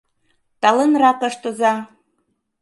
Талынрак ыштыза!